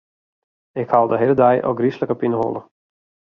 Ik ha al de hiele dei ôfgryslike pineholle.